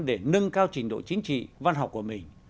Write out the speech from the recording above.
để nâng cao trình độ chính trị văn học của mình